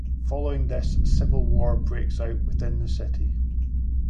Following this a civil war breaks out within the city.